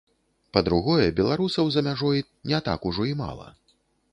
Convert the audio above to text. Па-другое, беларусаў за мяжой не так ужо і мала.